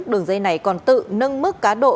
đường dây này còn tự nâng mức cá độ